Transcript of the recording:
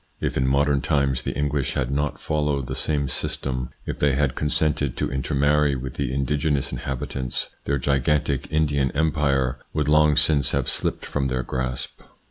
If in modern times the English had not followed the same system, if they had consented to intermarry with the indigenous inhabitants, their gigantic Indian Empire would long since have slipped from their grasp.